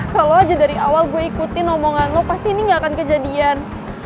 kalau aja dari awal gue ikutin omongan lo pasti ini gak akan kejadian